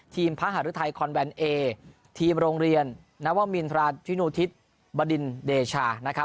ทีมพระหรือไทยคอนแวนเอทีมโรงเรียนนวมินทราชินูทิศบดินเดชา